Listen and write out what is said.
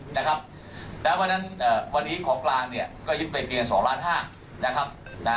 เพราะฉะนั้นวันนี้ของกลางยึดไปเกรง๒๕ล้านบาท